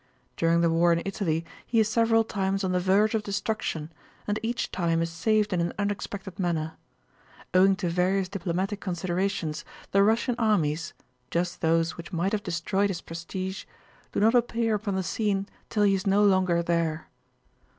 During the war in Italy he is several times on the verge of destruction and each time is saved in an unexpected manner. Owing to various diplomatic considerations the Russian armies—just those which might have destroyed his prestige—do not appear upon the scene till he is no longer there.